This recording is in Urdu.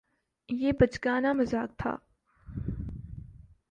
یہ بچگانہ مذاق تھا